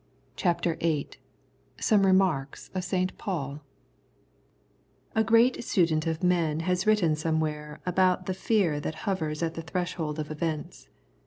CHAPTER VIII SOME REMARKS OF SAINT PAUL A great student of men has written somewhere about the fear that hovers at the threshold of events.